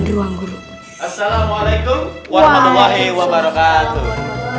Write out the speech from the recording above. di ruang guru assalamualaikum warahmatullahi wabarakatuh